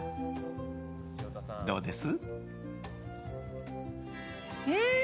どうです？